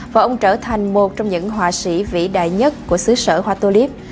và ông trở thành một trong những họa sĩ vĩ đại nhất của xứ sở hoa tulip